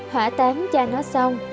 hỏa tám cha nó xong